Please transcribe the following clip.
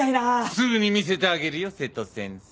すぐに見せてあげるよ瀬戸先生。